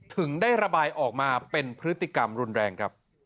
ถึงได้ระบายออกมาเป็นพฤติกรรมรุนแรงครับ